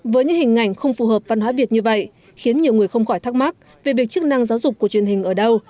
với những hình ảnh không phù hợp văn hóa việt như vậy khiến nhiều người không khỏi thắc mắc về việc chức năng giáo dục của truyền hình ở đâu